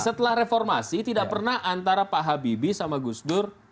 setelah reformasi tidak pernah antara pak habibie sama gus dur